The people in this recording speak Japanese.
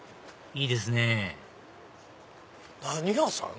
いいですねぇ何屋さん？